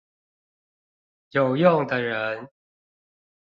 有用的人